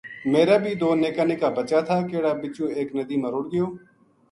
میرا بی دو نکا نکا بچہ تھا کہڑا بِچو ایک ندی ما رُڑھ گیو